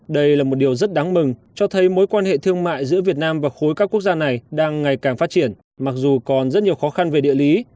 đây là một điều rất đáng mừng cho thấy mối quan hệ thương mại giữa việt nam và khối các quốc gia này đang ngày càng phát triển mặc dù còn rất nhiều khó khăn về địa lý